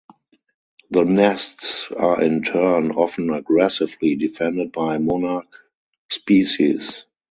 The nests are in turn often aggressively defended by monarch species.